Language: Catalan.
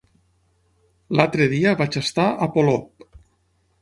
L'altre dia vaig estar a Polop.